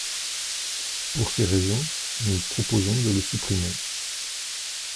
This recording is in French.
Pour ces raisons, nous proposons de le supprimer.